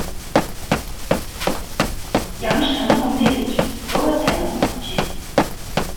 Ямар сонин хүн бэ гэж дуу тавин босжээ.